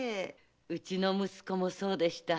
うちの息子もそうでした。